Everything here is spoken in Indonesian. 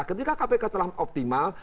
ketika kpk setelah optimal